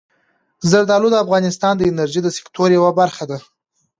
زردالو د افغانستان د انرژۍ د سکتور یوه برخه ده.